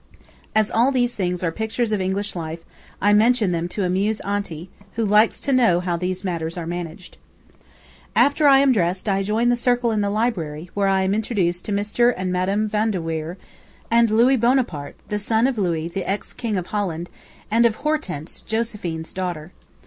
As all these things are pictures of English life, I mention them to amuse Aunty, who likes to know how these matters are managed. After I am dressed, I join the circle in the library, where I am introduced to Mr. and Madam Van de Weyer, and Louis Buonaparte, the son of Louis, the ex King of Holland, and of Hortense, Josephine's daughter.